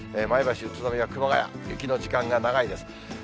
前橋、宇都宮、熊谷、雪の時間が長いです。